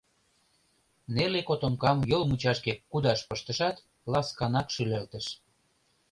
Неле котомкам йол мучашке кудаш пыштышат, ласканак шӱлалтыш.